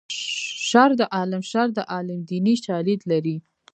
شر د عالم شر د عالم دیني شالید لري